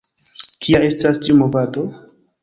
Kia estas tiu movado?